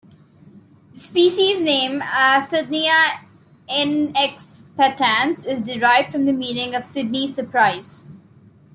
The species name, "Sidneyia inexpectans", is derived from the meaning of "Sidney's surprise".